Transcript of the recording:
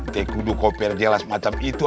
jangan berdekat macam itu